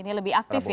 ini lebih aktif ya